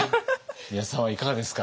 宮田さんはいかがですか？